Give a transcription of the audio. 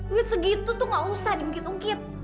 duit segitu tuh gak usah dimungkit mungkit